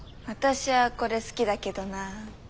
私はこれ好きだけどなあ。